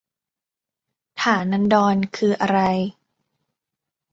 ฐานันดร คืออะไร